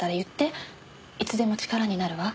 いつでも力になるわ。